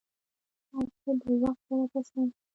هر څه د وخت سره به سم شي.